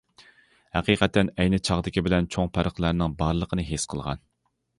ھەقىقەتەن ئەينى چاغدىكى بىلەن چوڭ پەرقلەرنىڭ بارلىقىنى ھېس قىلغان.